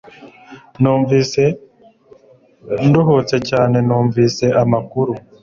Numvise nduhutse cyane numvise amakuru